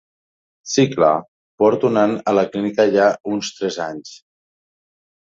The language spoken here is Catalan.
Si clar, porto anant a la clínica ja uns tres anys.